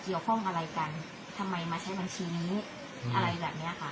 เกี่ยวข้องอะไรกันทำไมมาใช้บัญชีนี้อะไรแบบเนี้ยค่ะ